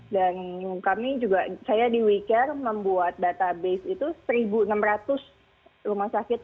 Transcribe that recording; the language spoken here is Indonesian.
dan kami juga saya di wicare membuat database itu satu enam ratus rumah sakit